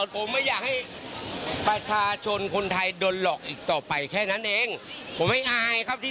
ผมไม่อยากให้ประชาชนคนไทยโดนหลอกอีกต่อไปแค่นั้นเองผมไม่อายครับที่